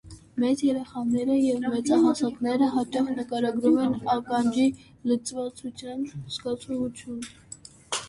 Մեծ երեխաները և մեծահասակները, հաճախ նկարագրում են ականջում լցվածության զգացողություն։